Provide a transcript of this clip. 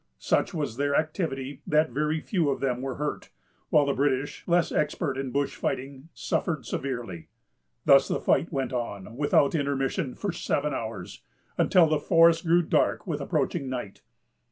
Such was their activity, that very few of them were hurt; while the British, less expert in bush fighting, suffered severely. Thus the fight went on, without intermission, for seven hours, until the forest grew dark with approaching night.